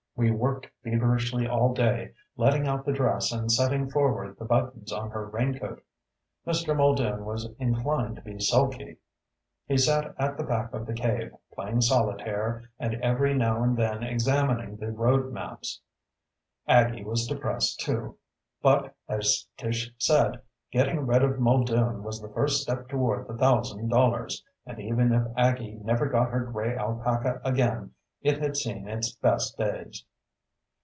We worked feverishly all day, letting out the dress and setting forward the buttons on her raincoat. Mr. Muldoon was inclined to be sulky. He sat at the back of the cave, playing solitaire and every now and then examining the road maps. Aggie was depressed too. But, as Tish said, getting rid of Muldoon was the first step toward the thousand dollars, and even if Aggie never got her gray alpaca again it had seen its best days.